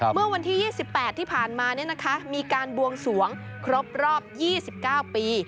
เมื่อวันที่๒๘ที่ผ่านมามีการบวงสวงครบรอบ๒๙ปี